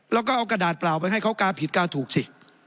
แล้วก็เอากระดาษเปล่าไปให้เขากาผิดกาถูกสิ